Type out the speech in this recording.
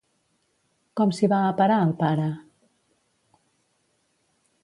Com s'hi va a parar el pare?